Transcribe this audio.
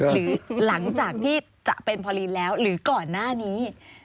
หรือหลังจากที่จะเป็นพอลินแล้วหรือก่อนหน้านี้